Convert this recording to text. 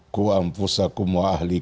qum'an pusakum wa ahliqat